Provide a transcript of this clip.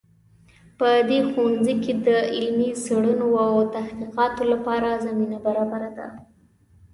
په دې ښوونځي کې د علمي څیړنو او تحقیقاتو لپاره زمینه برابره ده